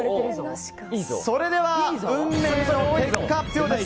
それでは運命の結果発表です！